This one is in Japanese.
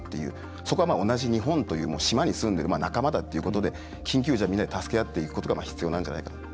そこは同じ日本という島に住んでる仲間だということで緊急時は、みんなで助け合っていくことが必要なんじゃないかなって。